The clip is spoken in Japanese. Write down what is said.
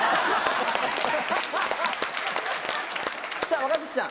さぁ若槻さん。